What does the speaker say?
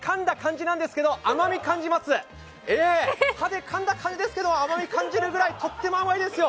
歯でかんだ感じですけど、甘み感じるぐらいとっても甘いですよ。